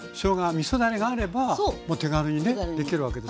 みそだれがあればもう手軽にねできるわけです。